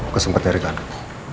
gak sempet dari kandung